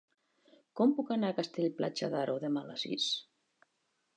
Com puc anar a Castell-Platja d'Aro demà a les sis?